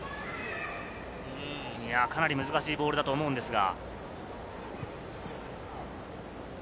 かなり難しいボールだと思うんですが。